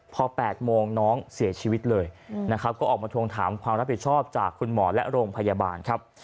พอ๘โมงน้องเสียชีวิตเลยนะครับก็ออกมาทวงถามความรับผิดชอบจากคุณหมอและโรงพยาบาลครับ